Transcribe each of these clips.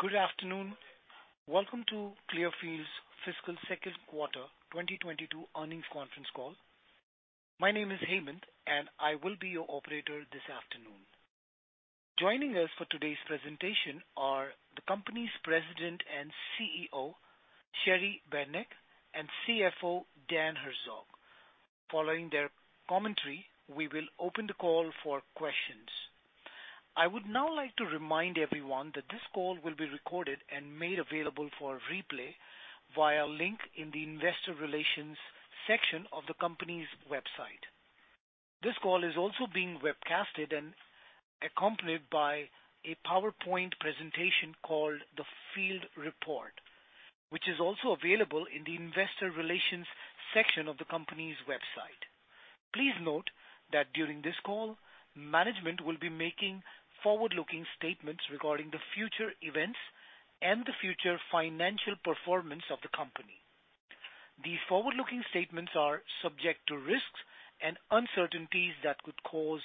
Good afternoon. Welcome to Clearfield's Fiscal Second Quarter 2022 Earnings Conference Call. My name is Hayman, and I will be your operator this afternoon. Joining us for today's presentation are the company's President and CEO, Cheri Beranek, and CFO, Dan Herzog. Following their commentary, we will open the call for questions. I would now like to remind everyone that this call will be recorded and made available for replay via a link in the investor relations section of the company's website. This call is also being webcasted and accompanied by a PowerPoint presentation called FieldReport, which is also available in the investor relations section of the company's website. Please note that during this call, management will be making forward-looking statements regarding the future events and the future financial performance of the company. These forward-looking statements are subject to risks and uncertainties that could cause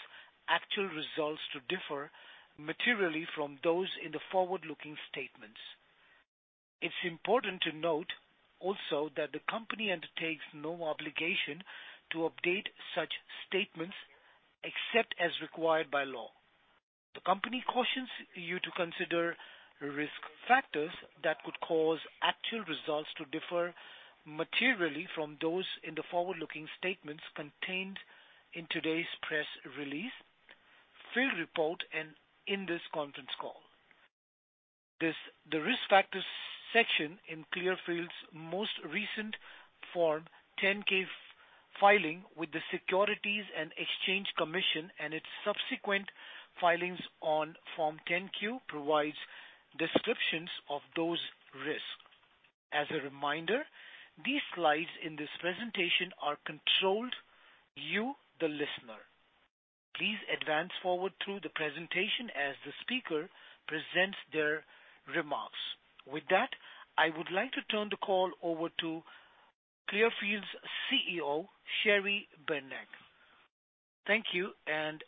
actual results to differ materially from those in the forward-looking statements. It's important to note also that the company undertakes no obligation to update such statements except as required by law. The company cautions you to consider risk factors that could cause actual results to differ materially from those in the forward-looking statements contained in today's press release, FieldReport, and in this conference call. The risk factors section in Clearfield's most recent Form 10-K filing with the Securities and Exchange Commission and its subsequent filings on Form 10-Q provides descriptions of those risks. As a reminder, these slides in this presentation are for you, the listener. Please advance forward through the presentation as the speaker presents their remarks. With that, I would like to turn the call over to Clearfield's CEO, Cheri Beranek. Thank you, and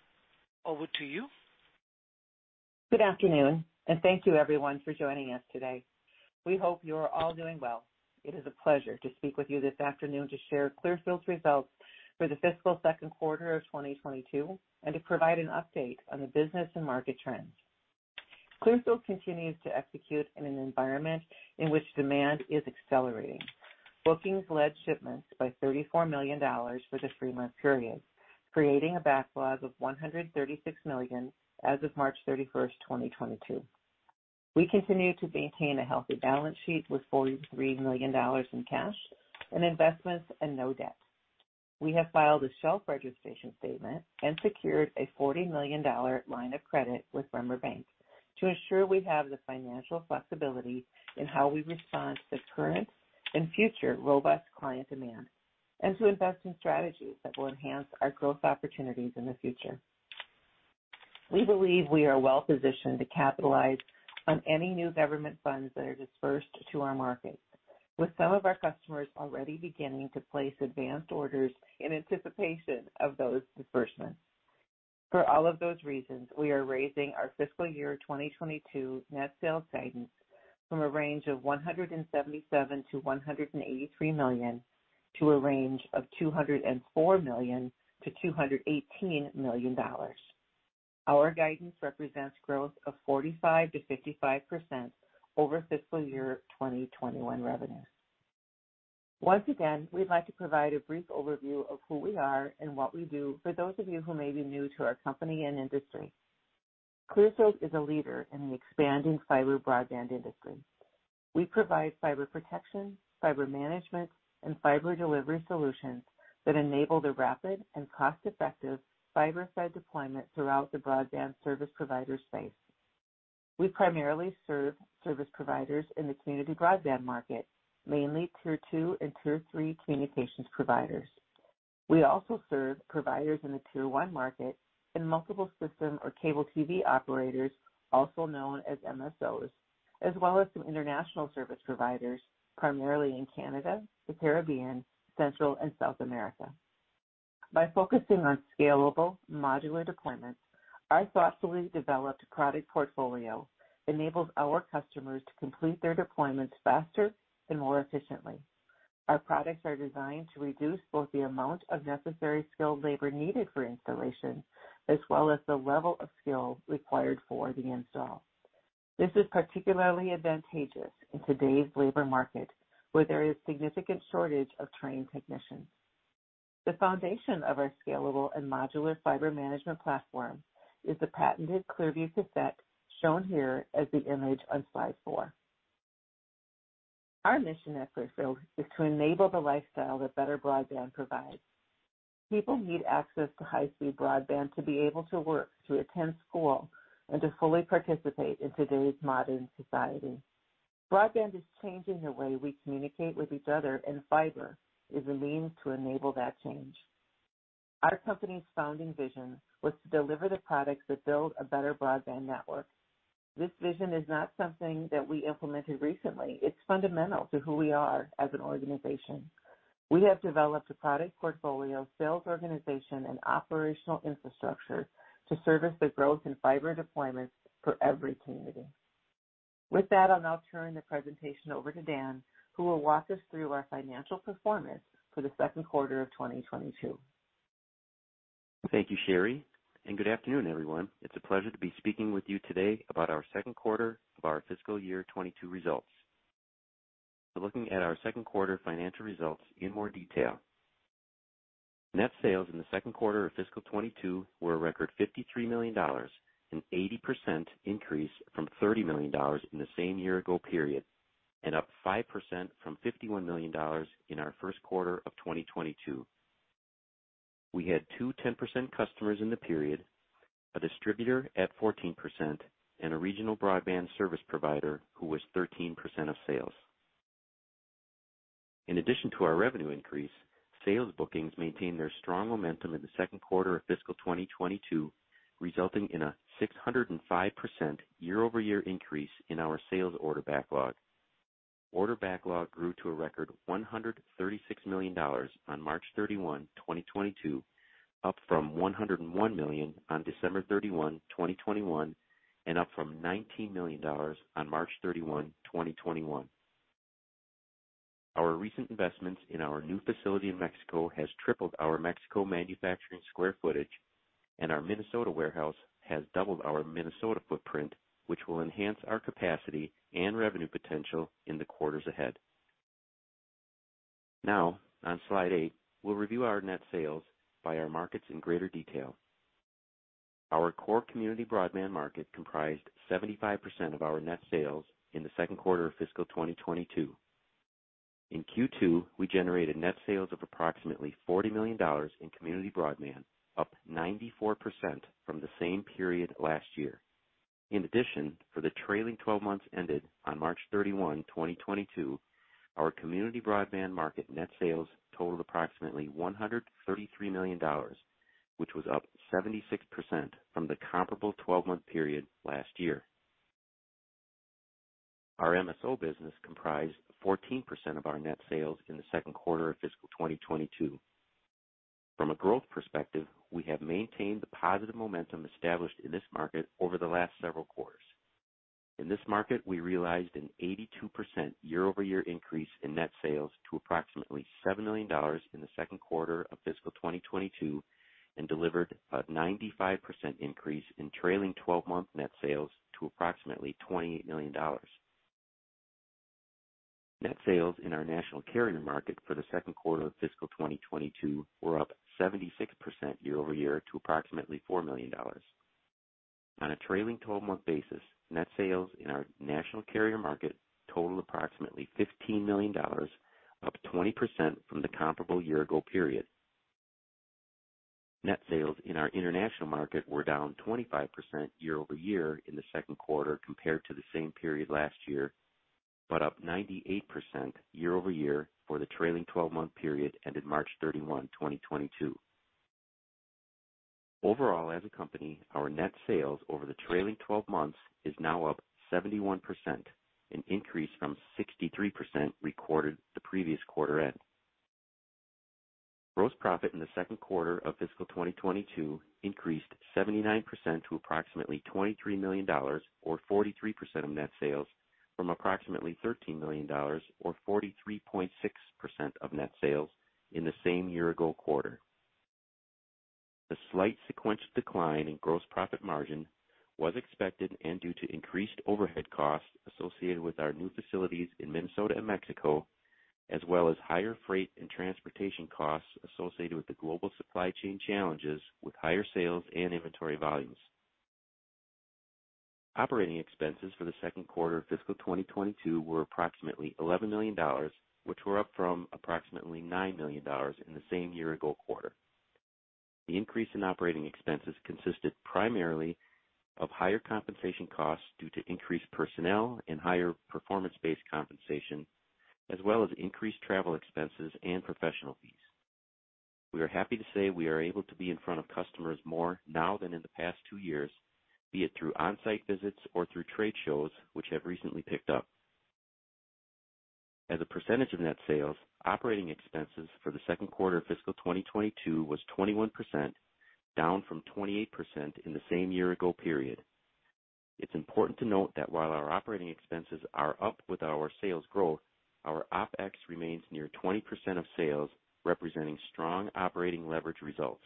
over to you. Good afternoon, and thank you, everyone, for joining us today. We hope you are all doing well. It is a pleasure to speak with you this afternoon to share Clearfield's results for the fiscal second quarter of 2022, and to provide an update on the business and market trends. Clearfield continues to execute in an environment in which demand is accelerating. Bookings led shipments by $34 million for the three-month period, creating a backlog of $136 million as of March 31st, 2022. We continue to maintain a healthy balance sheet with $43 million in cash and investments and no debt. We have filed a shelf registration statement and secured a $40 million line of credit with Bremer Bank to ensure we have the financial flexibility in how we respond to current and future robust client demand, and to invest in strategies that will enhance our growth opportunities in the future. We believe we are well positioned to capitalize on any new government funds that are disbursed to our market, with some of our customers already beginning to place advanced orders in anticipation of those disbursements. For all of those reasons, we are raising our fiscal year 2022 net sales guidance from a range of $177 million-$183 million to a range of $204 million-$218 million. Our guidance represents growth of 45%-55% over fiscal year 2021 revenue. Once again, we'd like to provide a brief overview of who we are and what we do for those of you who may be new to our company and industry. Clearfield is a leader in the expanding fiber broadband industry. We provide fiber protection, fiber management, and fiber delivery solutions that enable the rapid and cost-effective fiber-side deployment throughout the broadband service provider space. We primarily serve service providers in the community broadband market, mainly tier two and tier three communications providers. We also serve providers in the tier one market in multiple system or cable TV operators, also known as MSOs, as well as some international service providers, primarily in Canada, the Caribbean, Central and South America. By focusing on scalable modular deployments, our thoughtfully developed product portfolio enables our customers to complete their deployments faster and more efficiently. Our products are designed to reduce both the amount of necessary skilled labor needed for installation, as well as the level of skill required for the install. This is particularly advantageous in today's labor market, where there is significant shortage of trained technicians. The foundation of our scalable and modular fiber management platform is the patented Clearview Cassette, shown here as the image on slide four. Our mission at Clearfield is to enable the lifestyle that better broadband provides. People need access to high-speed broadband to be able to work, to attend school, and to fully participate in today's modern society. Broadband is changing the way we communicate with each other, and fiber is a means to enable that change. Our company's founding vision was to deliver the products that build a better broadband network. This vision is not something that we implemented recently. It's fundamental to who we are as an organization. We have developed a product portfolio, sales organization, and operational infrastructure to service the growth in fiber deployments for every community. With that, I'll now turn the presentation over to Dan, who will walk us through our financial performance for the second quarter of 2022. Thank you, Cheri, and good afternoon, everyone. It's a pleasure to be speaking with you today about our second quarter of our fiscal year 2022 results. Looking at our second quarter financial results in more detail. Net sales in the second quarter of fiscal 2022 were a record $53 million, an 80% increase from $30 million in the same year ago period, and up 5% from $51 million in our first quarter of 2022. We had two 10% customers in the period, a distributor at 14%, and a regional broadband service provider who was 13% of sales. In addition to our revenue increase, sales bookings maintained their strong momentum in the second quarter of fiscal 2022, resulting in a 605% year-over-year increase in our sales order backlog. Order backlog grew to a record $136 million on March 31, 2022, up from $101 million on December 31, 2021, and up from $19 million on March 31, 2021. Our recent investments in our new facility in Mexico has tripled our Mexico manufacturing square footage, and our Minnesota warehouse has doubled our Minnesota footprint, which will enhance our capacity and revenue potential in the quarters ahead. Now, on slide eight, we'll review our net sales by our markets in greater detail. Our core community broadband market comprised 75% of our net sales in the second quarter of fiscal 2022. In Q2, we generated net sales of approximately $40 million in community broadband, up 94% from the same period last year. In addition, for the trailing 12 months ended on March 31, 2022, our community broadband market net sales totaled approximately $133 million, which was up 76% from the comparable 12-month period last year. Our MSO business comprised 14% of our net sales in the second quarter of fiscal 2022. From a growth perspective, we have maintained the positive momentum established in this market over the last several quarters. In this market, we realized an 82% year-over-year increase in net sales to approximately $7 million in the second quarter of fiscal 2022 and delivered a 95% increase in trailing 12-month net sales to approximately $28 million. Net sales in our national carrier market for the second quarter of fiscal 2022 were up 76% year-over-year to approximately $4 million. On a trailing 12-month basis, net sales in our national carrier market totaled approximately $15 million, up 20% from the comparable year ago period. Net sales in our international market were down 25% year-over-year in the second quarter compared to the same period last year, but up 98% year-over-year for the trailing 12-month period ended March 31, 2022. Overall, as a company, our net sales over the trailing 12 months is now up 71%, an increase from 63% recorded the previous quarter end. Gross profit in the second quarter of fiscal 2022 increased 79% to approximately $23 million or 43% of net sales from approximately $13 million or 43.6% of net sales in the same year ago quarter. The slight sequential decline in gross profit margin was expected and due to increased overhead costs associated with our new facilities in Minnesota and Mexico, as well as higher freight and transportation costs associated with the global supply chain challenges with higher sales and inventory volumes. Operating expenses for the second quarter of fiscal 2022 were approximately $11 million, which were up from approximately $9 million in the same year-ago quarter. The increase in operating expenses consisted primarily of higher compensation costs due to increased personnel and higher performance-based compensation, as well as increased travel expenses and professional fees. We are happy to say we are able to be in front of customers more now than in the past two years, be it through on-site visits or through trade shows which have recently picked up. As a percentage of net sales, operating expenses for the second quarter of fiscal 2022 was 21%, down from 28% in the same year ago period. It's important to note that while our operating expenses are up with our sales growth, our OpEx remains near 20% of sales, representing strong operating leverage results.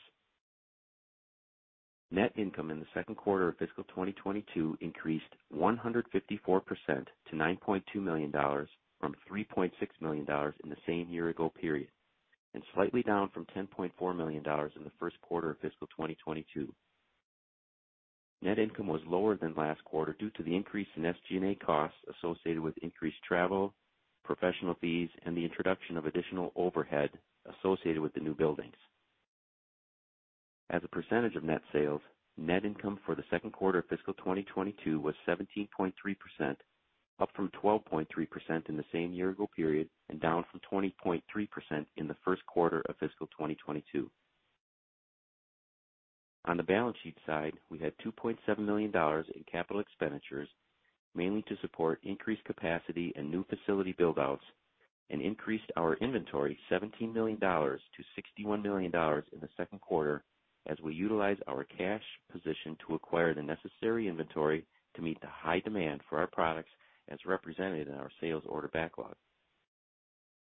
Net income in the second quarter of fiscal 2022 increased 154% to $9.2 million from $3.6 million in the same year ago period, and slightly down from $10.4 million in the first quarter of fiscal 2022. Net income was lower than last quarter due to the increase in SG&A costs associated with increased travel, professional fees, and the introduction of additional overhead associated with the new buildings. As a percentage of net sales, net income for the second quarter of fiscal 2022 was 17.3%, up from 12.3% in the same year ago period and down from 20.3% in the first quarter of fiscal 2022. On the balance sheet side, we had $2.7 million in capital expenditures, mainly to support increased capacity and new facility build-outs, and increased our inventory $17 million to $61 million in the second quarter as we utilize our cash position to acquire the necessary inventory to meet the high demand for our products as represented in our sales order backlog.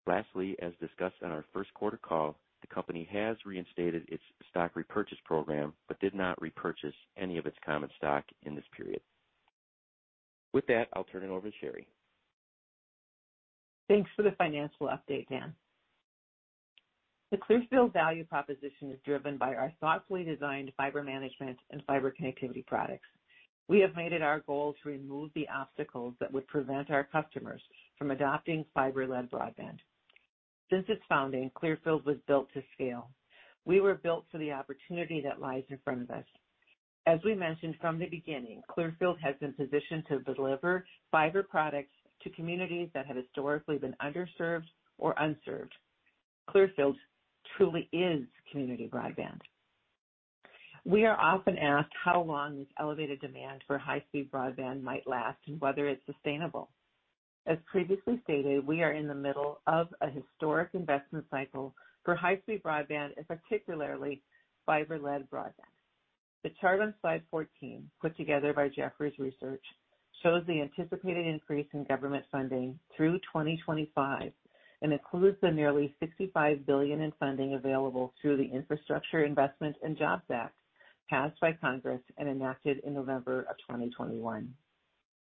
Lastly, as discussed on our first quarter call, the company has reinstated its stock repurchase program, but did not repurchase any of its common stock in this period. With that, I'll turn it over to Cheri. Thanks for the financial update, Dan. The Clearfield value proposition is driven by our thoughtfully designed fiber management and fiber connectivity products. We have made it our goal to remove the obstacles that would prevent our customers from adopting fiber-led broadband. Since its founding, Clearfield was built to scale. We were built for the opportunity that lies in front of us. As we mentioned from the beginning, Clearfield has been positioned to deliver fiber products to communities that have historically been underserved or unserved. Clearfield truly is community broadband. We are often asked how long this elevated demand for high-speed broadband might last and whether it's sustainable. As previously stated, we are in the middle of a historic investment cycle for high-speed broadband, and particularly fiber-led broadband. The chart on slide 14, put together by Jefferies Research, shows the anticipated increase in government funding through 2025 and includes the nearly $65 billion in funding available through the Infrastructure Investment and Jobs Act passed by Congress and enacted in November of 2021.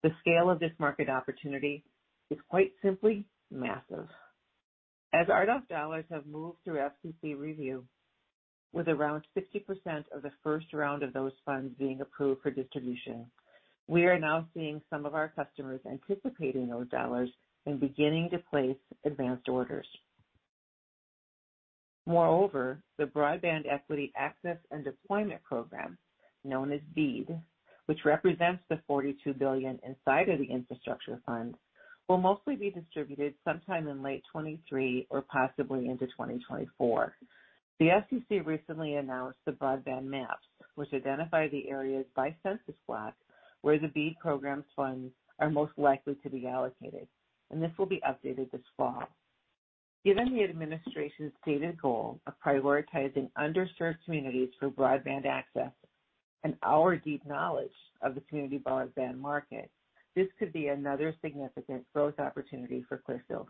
The scale of this market opportunity is quite simply massive. As ARPA dollars have moved through FCC review, with around 60% of the first round of those funds being approved for distribution, we are now seeing some of our customers anticipating those dollars and beginning to place advanced orders. Moreover, the Broadband Equity, Access, and Deployment program, known as BEAD, which represents the $42 billion inside of the infrastructure fund, will mostly be distributed sometime in late 2023 or possibly into 2024. The FCC recently announced the broadband maps, which identify the areas by census block where the BEAD program's funds are most likely to be allocated, and this will be updated this fall. Given the administration's stated goal of prioritizing underserved communities for broadband access and our deep knowledge of the community broadband market, this could be another significant growth opportunity for Clearfield.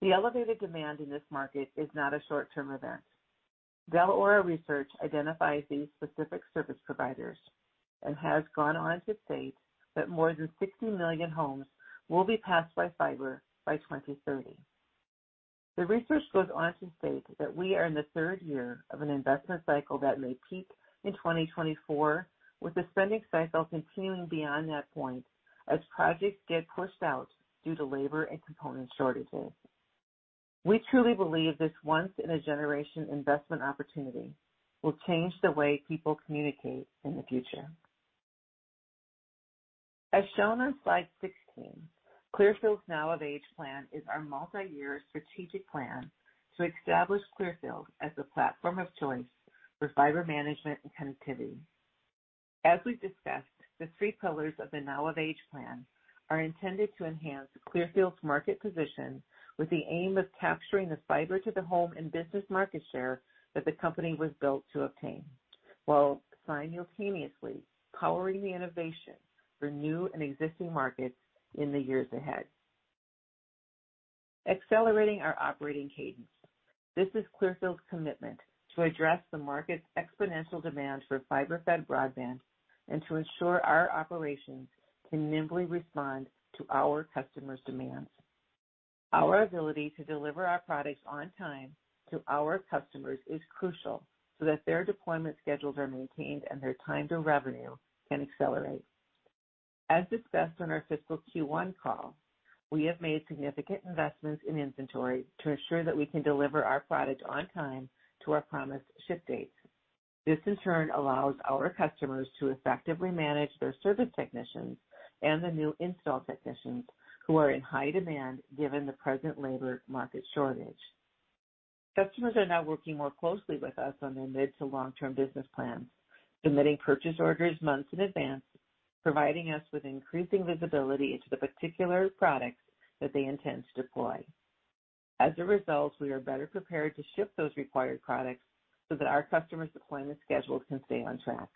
The elevated demand in this market is not a short-term event. Dell'Oro Research identifies these specific service providers and has gone on to state that more than 60 million homes will be passed by fiber by 2030. The research goes on to state that we are in the third year of an investment cycle that may peak in 2024, with the spending cycle continuing beyond that point as projects get pushed out due to labor and component shortages. We truly believe this once in a generation investment opportunity will change the way people communicate in the future. As shown on slide 16, Clearfield's Now of Age plan is our multi-year strategic plan to establish Clearfield as the platform of choice for fiber management and connectivity. As we've discussed, the three pillars of the Now of Age plan are intended to enhance Clearfield's market position with the aim of capturing the fiber to the home and business market share that the company was built to obtain, while simultaneously powering the innovation for new and existing markets in the years ahead. Accelerating our operating cadence. This is Clearfield's commitment to address the market's exponential demand for fiber-fed broadband and to ensure our operations can nimbly respond to our customers' demands. Our ability to deliver our products on time to our customers is crucial so that their deployment schedules are maintained and their time to revenue can accelerate. As discussed on our fiscal Q1 call, we have made significant investments in inventory to ensure that we can deliver our products on time to our promised ship dates. This in turn allows our customers to effectively manage their service technicians and the new install technicians who are in high demand given the present labor market shortage. Customers are now working more closely with us on their mid to long term business plans, submitting purchase orders months in advance, providing us with increasing visibility into the particular products that they intend to deploy. As a result, we are better prepared to ship those required products so that our customers' deployment schedules can stay on track.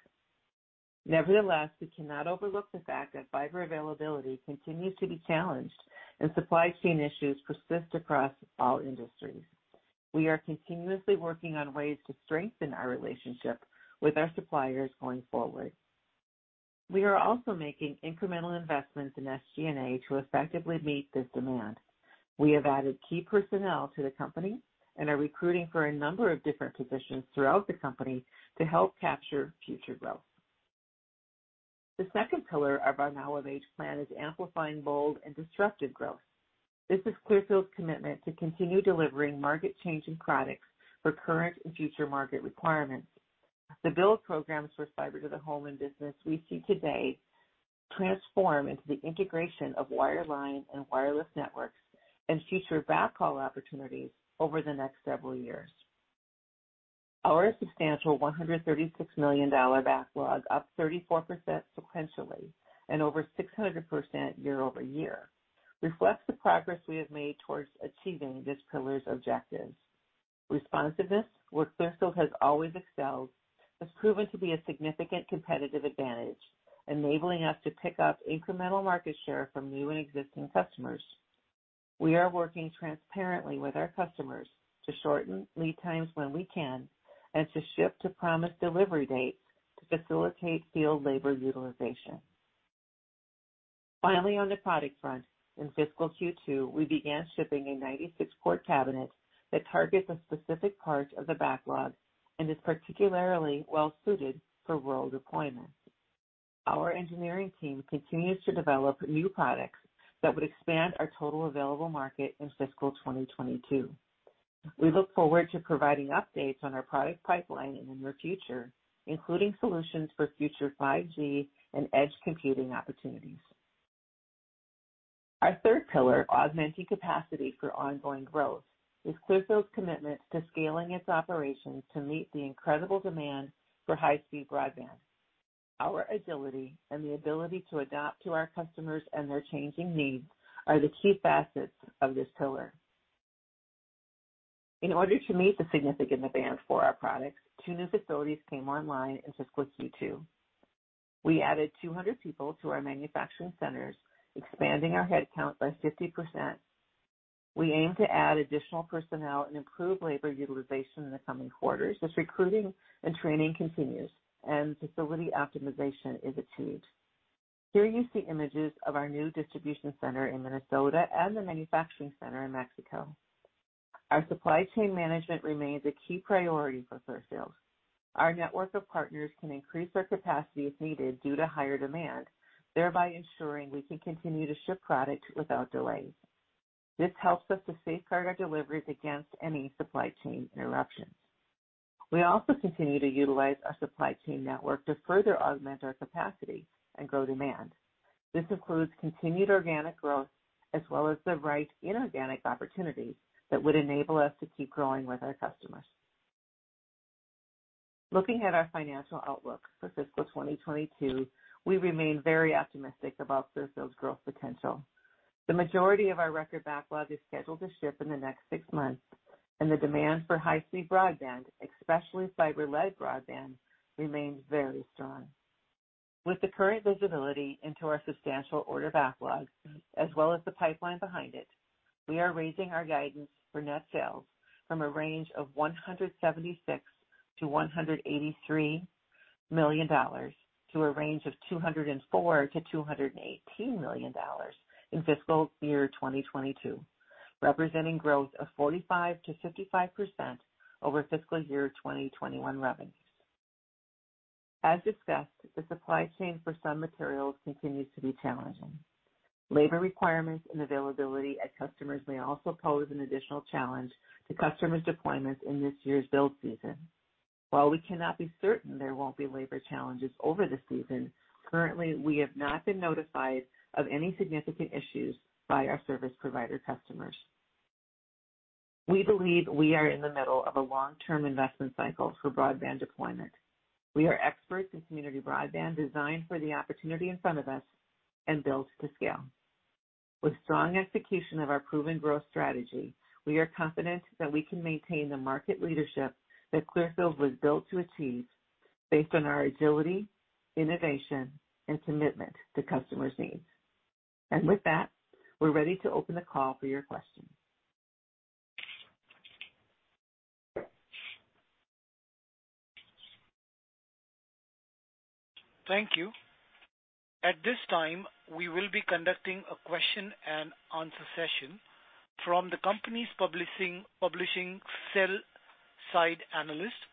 Nevertheless, we cannot overlook the fact that fiber availability continues to be challenged and supply chain issues persist across all industries. We are continuously working on ways to strengthen our relationship with our suppliers going forward. We are also making incremental investments in SG&A to effectively meet this demand. We have added key personnel to the company and are recruiting for a number of different positions throughout the company to help capture future growth. The second pillar of our Now of Age plan is amplifying bold and disruptive growth. This is Clearfield's commitment to continue delivering market changing products for current and future market requirements. The build programs for fiber to the home and business we see today transform into the integration of wireline and wireless networks and future backhaul opportunities over the next several years. Our substantial $136 million backlog, up 34% sequentially and over 600% year-over-year, reflects the progress we have made towards achieving this pillar's objectives. Responsiveness, where Clearfield has always excelled, has proven to be a significant competitive advantage, enabling us to pick up incremental market share from new and existing customers. We are working transparently with our customers to shorten lead times when we can and to ship to promised delivery dates to facilitate field labor utilization. Finally, on the product front, in fiscal Q2, we began shipping a 96-port cabinet that targets a specific part of the backlog and is particularly well suited for rural deployment. Our engineering team continues to develop new products that would expand our total available market in fiscal 2022. We look forward to providing updates on our product pipeline in the near future, including solutions for future 5G and edge computing opportunities. Our third pillar, augmenting capacity for ongoing growth, is Clearfield's commitment to scaling its operations to meet the incredible demand for high-speed broadband. Our agility and the ability to adapt to our customers and their changing needs are the key facets of this pillar. In order to meet the significant demand for our products, two new facilities came online in fiscal Q2. We added 200 people to our manufacturing centers, expanding our headcount by 50%. We aim to add additional personnel and improve labor utilization in the coming quarters as recruiting and training continues and facility optimization is achieved. Here you see images of our new distribution center in Minnesota and the manufacturing center in Mexico. Our supply chain management remains a key priority for Clearfield. Our network of partners can increase their capacity as needed due to higher demand, thereby ensuring we can continue to ship product without delays. This helps us to safeguard our deliveries against any supply chain interruptions. We also continue to utilize our supply chain network to further augment our capacity and grow demand. This includes continued organic growth as well as the right inorganic opportunities that would enable us to keep growing with our customers. Looking at our financial outlook for fiscal 2022, we remain very optimistic about Clearfield's growth potential. The majority of our record backlog is scheduled to ship in the next six months, and the demand for high-speed broadband, especially fiber-led broadband, remains very strong. With the current visibility into our substantial order backlog as well as the pipeline behind it, we are raising our guidance for net sales from a range of $176 million-$183 million to a range of $204 million-$218 million in fiscal year 2022, representing growth of 45%-55% over fiscal year 2021 revenues. As discussed, the supply chain for some materials continues to be challenging. Labor requirements and availability at customers may also pose an additional challenge to customers' deployments in this year's build season. While we cannot be certain there won't be labor challenges over the season, currently, we have not been notified of any significant issues by our service provider customers. We believe we are in the middle of a long-term investment cycle for broadband deployment. We are experts in community broadband designed for the opportunity in front of us and built to scale. With strong execution of our proven growth strategy, we are confident that we can maintain the market leadership that Clearfield was built to achieve based on our agility, innovation, and commitment to customers' needs. With that, we're ready to open the call for your questions. Thank you. At this time, we will be conducting a question-and-answer session from the company's participating sell-side analysts.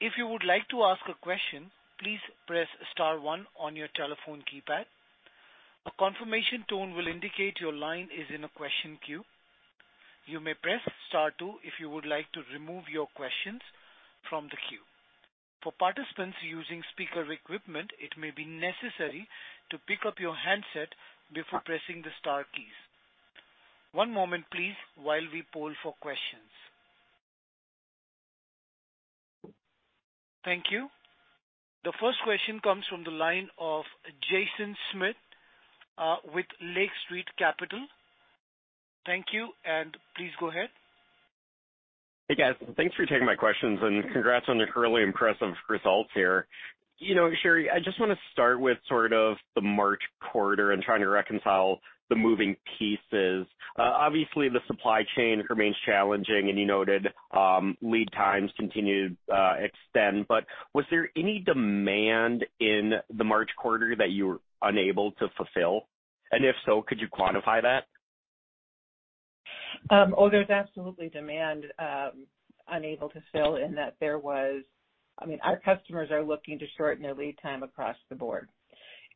If you would like to ask a question, please press star one on your telephone keypad. A confirmation tone will indicate your line is in a question queue. You may press star two if you would like to remove your questions from the queue. For participants using speaker equipment, it may be necessary to pick up your handset before pressing the star keys. One moment, please, while we poll for questions. Thank you. The first question comes from the line of Jaeson Schmidt with Lake Street Capital. Thank you, and please go ahead. Hey, guys. Thanks for taking my questions and congrats on your really impressive results here. You know, Cheri, I just want to start with sort of the March quarter and trying to reconcile the moving pieces. Obviously, the supply chain remains challenging, and you noted, lead times continue to extend. Was there any demand in the March quarter that you were unable to fulfill? And if so, could you quantify that? There's absolutely demand. I mean, our customers are looking to shorten their lead time across the board.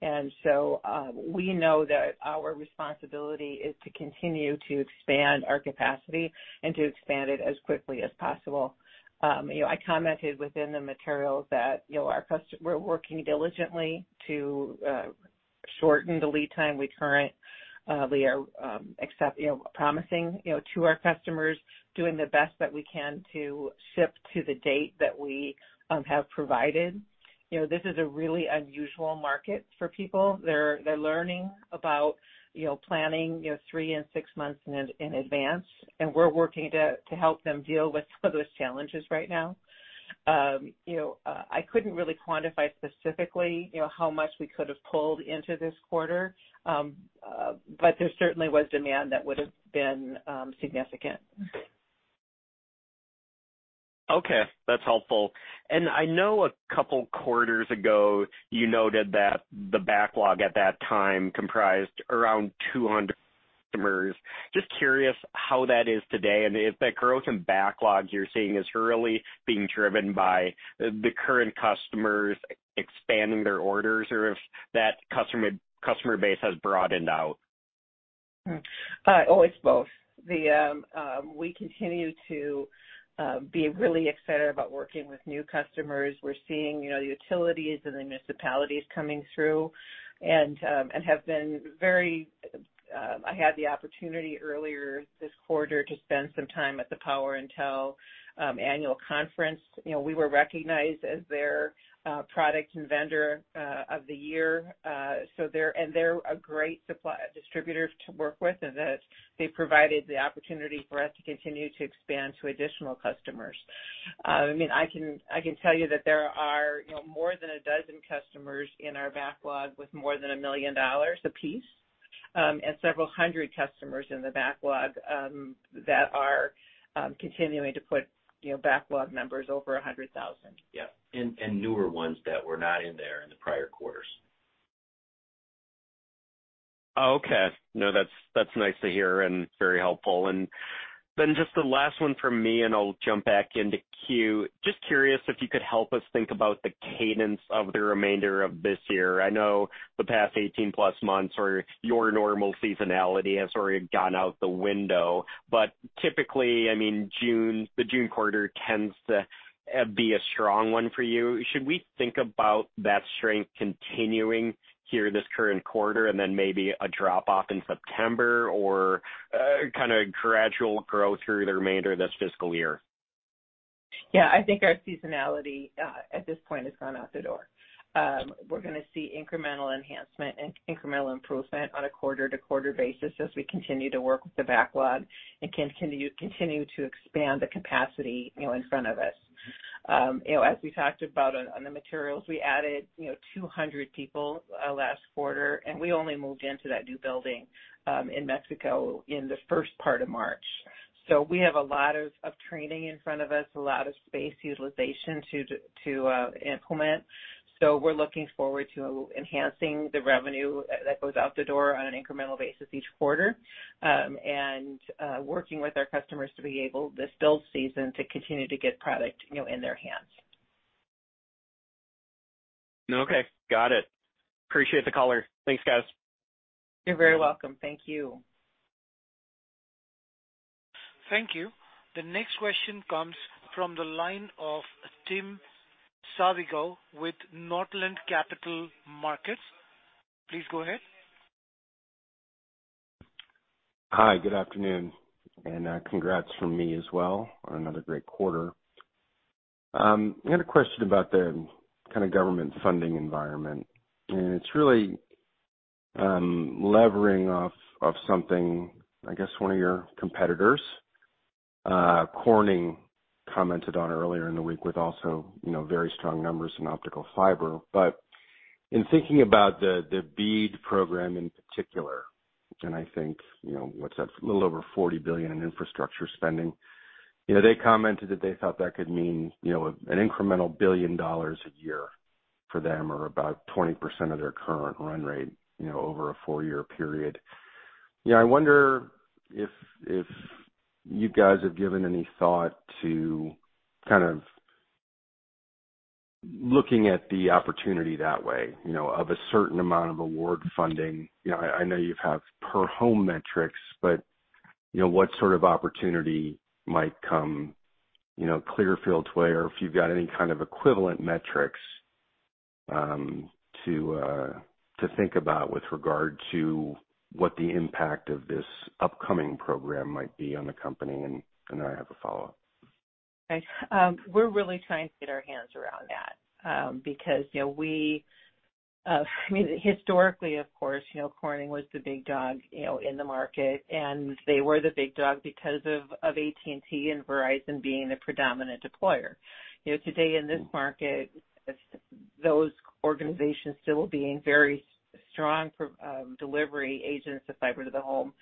We know that our responsibility is to continue to expand our capacity and to expand it as quickly as possible. You know, I commented within the materials that, you know, we're working diligently to shorten the lead time. We currently are accepting, you know, promising, you know, to our customers, doing the best that we can to ship to the date that we have provided. You know, this is a really unusual market for people. They're learning about, you know, planning, you know, three and six months in advance, and we're working to help them deal with some of those challenges right now. You know, I couldn't really quantify specifically, you know, how much we could have pulled into this quarter. There certainly was demand that would have been significant. Okay, that's helpful. I know a couple quarters ago you noted that the backlog at that time comprised around 200 customers. Just curious how that is today, and if that growth and backlog you're seeing is really being driven by the current customers expanding their orders, or if that customer base has broadened out. Oh, it's both. We continue to be really excited about working with new customers. We're seeing, you know, the utilities and the municipalities coming through, and have been very. I had the opportunity earlier this quarter to spend some time at the Power & Tel Annual Conference. You know, we were recognized as their product and vendor of the year. So they're a great distributor to work with, and that they provided the opportunity for us to continue to expand to additional customers. I mean, I can tell you that there are, you know, more than a dozen customers in our backlog with more than $1 million a piece, and several hundred customers in the backlog that are continuing to put, you know, backlog numbers over $100,000. Yeah. Newer ones that were not in there in the prior quarters. Oh, okay. No, that's nice to hear and very helpful. Then just the last one from me, and I'll jump back into queue. Just curious if you could help us think about the cadence of the remainder of this year. I know the past 18+ months or your normal seasonality has already gone out the window. Typically, I mean, June, the June quarter tends to be a strong one for you. Should we think about that strength continuing here this current quarter and then maybe a drop-off in September or kind of gradual growth through the remainder of this fiscal year? Yeah. I think our seasonality at this point has gone out the door. We're gonna see incremental enhancement and incremental improvement on a quarter-to-quarter basis as we continue to work with the backlog and continue to expand the capacity, you know, in front of us. You know, as we talked about on the materials, we added, you know, 200 people last quarter, and we only moved into that new building in Mexico in the first part of March. We have a lot of training in front of us, a lot of space utilization to implement. We're looking forward to enhancing the revenue that goes out the door on an incremental basis each quarter, and working with our customers to be able this build season to continue to get product, you know, in their hands. Okay. Got it. Appreciate the color. Thanks, guys. You're very welcome. Thank you. Thank you. The next question comes from the line of Tim Savageaux with Northland Capital Markets. Please go ahead. Hi. Good afternoon, and, congrats from me as well on another great quarter. I had a question about the kind of government funding environment, and it's really, levering off something, I guess, one of your competitors, Corning, commented on earlier in the week with also, you know, very strong numbers in optical fiber. In thinking about the BEAD program in particular, and I think, you know, what's that? A little over $40 billion in infrastructure spending. You know, they commented that they thought that could mean, you know, an incremental $1 billion a year for them or about 20% of their current run rate, you know, over a four-year period. You know, I wonder if you guys have given any thought to kind of looking at the opportunity that way, you know, of a certain amount of award funding? You know, I know you have per home metrics, but, you know, what sort of opportunity might come, you know, Clearfield's way, or if you've got any kind of equivalent metrics, to think about with regard to what the impact of this upcoming program might be on the company. I have a follow-up. Okay. We're really trying to get our hands around that, because, you know, we, I mean, historically, of course, you know, Corning was the big dog, you know, in the market, and they were the big dog because of AT&T and Verizon being the predominant deployer. You know, today in this market, those organizations still being very strong delivery agents to fiber to the home.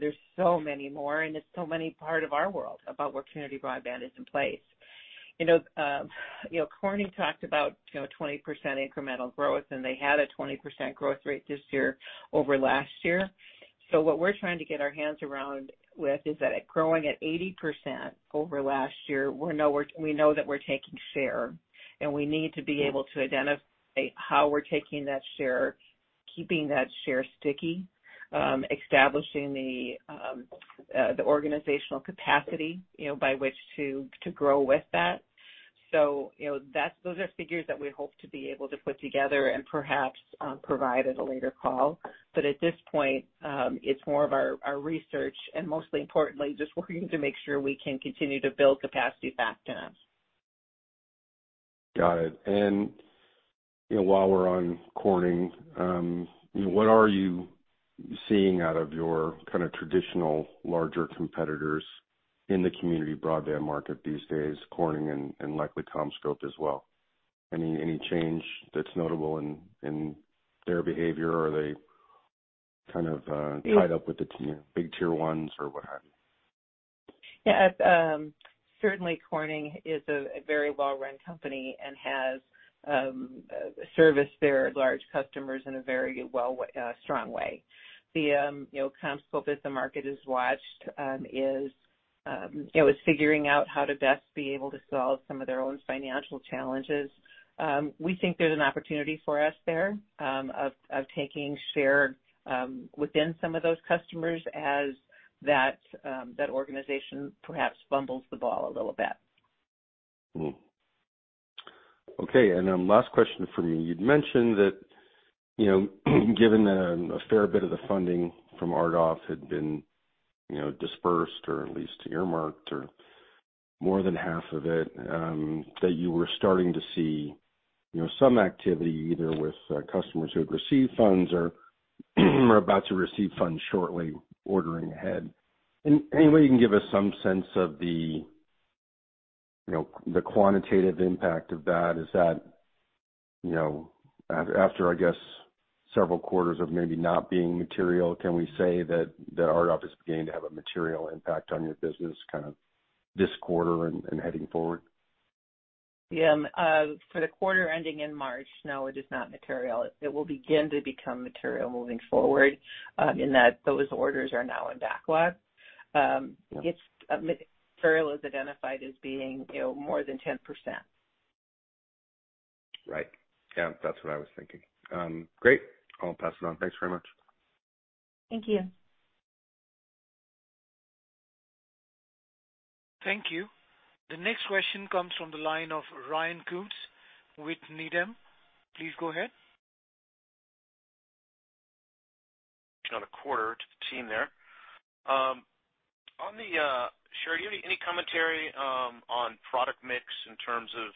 There's so many more, and it's so many part of our world about where community broadband is in place. You know, Corning talked about, you know, 20% incremental growth, and they had a 20% growth rate this year over last year. What we're trying to get our hands around with is that growing at 80% over last year, we know that we're taking share, and we need to be able to identify how we're taking that share, keeping that share sticky, establishing the organizational capacity, you know, by which to grow with that. You know, those are figures that we hope to be able to put together and perhaps provide at a later call. At this point, it's more of our research and most importantly, just working to make sure we can continue to build capacity back in the U.S. Got it. You know, while we're on Corning, what are you seeing out of your kind of traditional larger competitors in the community broadband market these days, Corning and likely CommScope as well? Any change that's notable in their behavior? Are they kind of tied up with the big tier ones or what have you? Yeah. Certainly Corning is a very well-run company and services their large customers in a very strong way. You know, the CommScope business, market watchers, is figuring out how to best be able to solve some of their own financial challenges. We think there's an opportunity for us there of taking share within some of those customers as that organization perhaps fumbles the ball a little bit. Okay. Last question for you. You'd mentioned that, you know, given a fair bit of the funding from RDOF had been, you know, dispersed or at least earmarked or more than half of it, that you were starting to see, you know, some activity either with customers who had received funds or about to receive funds shortly ordering ahead. Any way you can give us some sense of the, you know, the quantitative impact of that? Is that, you know, after I guess several quarters of maybe not being material, can we say that the RDOF is beginning to have a material impact on your business kind of this quarter and heading forward? Yeah. For the quarter ending in March, no, it is not material. It will begin to become material moving forward, in that those orders are now in backlog. Yeah. It's material is identified as being, you know, more than 10%. Right. Yeah, that's what I was thinking. Great. I'll pass it on. Thanks very much. Thank you. Thank you. The next question comes from the line of Ryan Koontz with Needham. Please go ahead. On the quarter to the team there. Cheri, any commentary on product mix in terms of,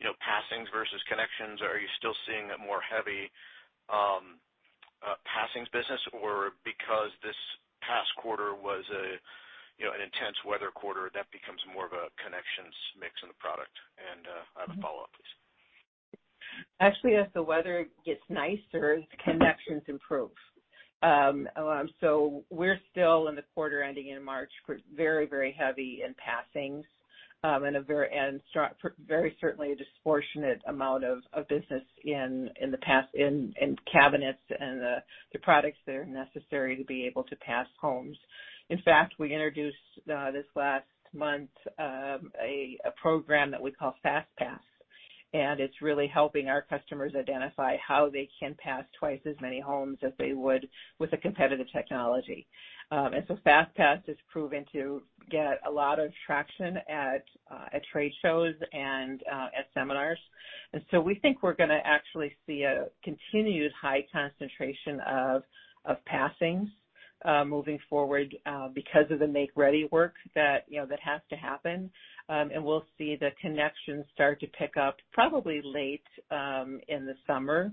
you know, passings versus connections? Are you still seeing a more heavy passings business? Or because this past quarter was a, you know, an intense weather quarter, that becomes more of a connections mix in the product? I have a follow-up, please. Actually, as the weather gets nicer, the connections improve. We're still in the quarter ending in March. We're very heavy in passings, and very certainly a disproportionate amount of business in passings, in cabinets and the products that are necessary to be able to pass homes. In fact, we introduced this last month a program that we call FastPass, and it's really helping our customers identify how they can pass twice as many homes as they would with the competitive technology. FastPass has proven to get a lot of traction at trade shows and at seminars. We think we're gonna actually see a continued high concentration of passings moving forward because of the make-ready work that you know that has to happen. We'll see the connections start to pick up probably late in the summer.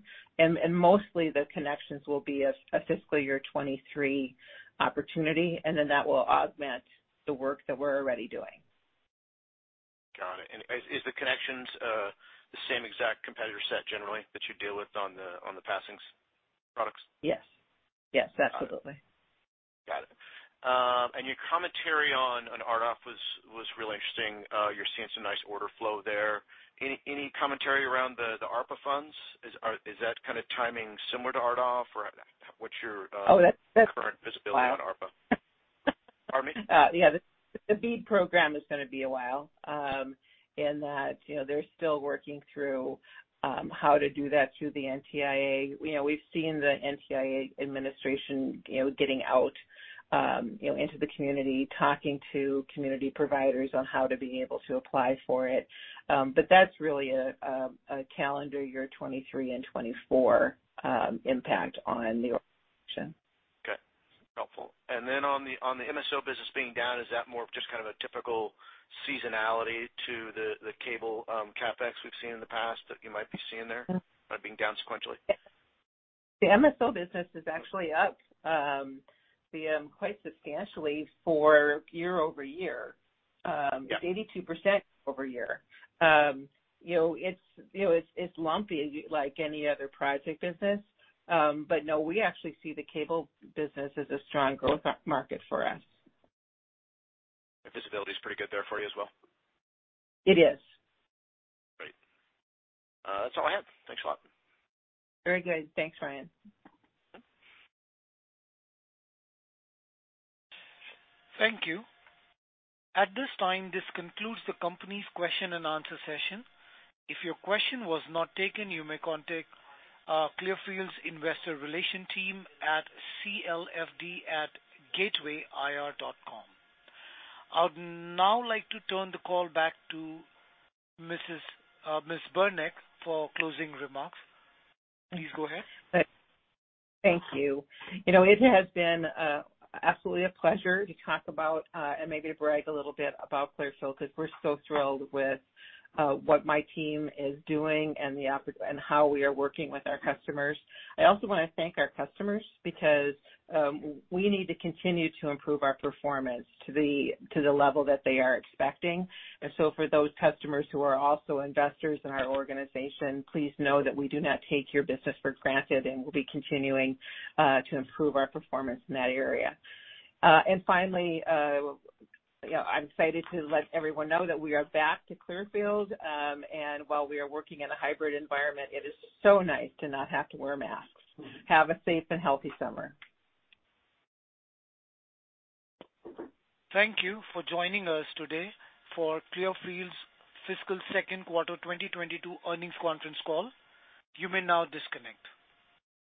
Mostly the connections will be a fiscal year 2023 opportunity, and then that will augment the work that we're already doing. Got it. Is the connections the same exact competitor set generally that you deal with on the passings products? Yes. Yes, absolutely. Got it. And your commentary on RDOF was really interesting. You're seeing some nice order flow there. Any commentary around the ARPA funds? Is that kinda timing similar to RDOF? Or what's your Oh, that- Current visibility on ARPA? Pardon me? Yeah. The BEAD program is gonna be a while, in that, you know, they're still working through how to do that through the NTIA. You know, we've seen the NTIA administration, you know, getting out, you know, into the community, talking to community providers on how to be able to apply for it. That's really a calendar year 2023 and 2024 impact on the. Okay. Helpful. On the MSO business being down, is that more just kind of a typical seasonality to the cable CapEx we've seen in the past that you might be seeing there? Mm-hmm. by being down sequentially? The MSO business is actually up quite substantially for year-over-year. Yeah. 82% year-over-year. You know, it's lumpy like any other project business. No, we actually see the cable business as a strong growth market for us. The visibility is pretty good there for you as well? It is. Great. That's all I have. Thanks a lot. Very good. Thanks, Ryan. Thank you. At this time, this concludes the company's question-and-answer session. If your question was not taken, you may contact Clearfield's investor relations team at CLFD@gatewayir.com. I would now like to turn the call back to Ms. Beranek for closing remarks. Please go ahead. Thank you. You know, it has been absolutely a pleasure to talk about and maybe brag a little bit about Clearfield because we're so thrilled with what my team is doing and how we are working with our customers. I also wanna thank our customers because we need to continue to improve our performance to the level that they are expecting. For those customers who are also investors in our organization, please know that we do not take your business for granted, and we'll be continuing to improve our performance in that area. Finally, you know, I'm excited to let everyone know that we are back to Clearfield. While we are working in a hybrid environment, it is so nice to not have to wear masks. Have a safe and healthy summer. Thank you for joining us today for Clearfield's fiscal second quarter 2022 earnings conference call. You may now disconnect.